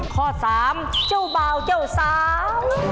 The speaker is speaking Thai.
ข้อสามเจ้าบ่าวเจ้าสาว